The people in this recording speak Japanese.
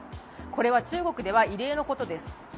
これは中国では異例のことです。